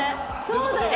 そうだよ！